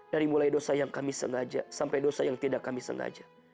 dari mulai dosa yang kami sengaja sampai dosa yang tidak kami sengaja